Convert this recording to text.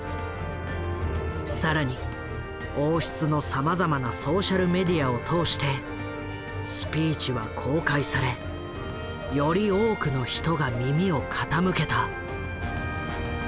更に王室のさまざまなソーシャルメディアを通してスピーチは公開されより多くの人が耳を傾けた。